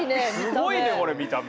すごいねこれ見た目。